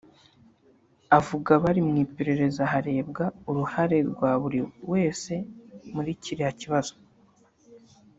Avuga bari mu iperereza harebwa uruhare rwa buri wese muri kiriya kibazo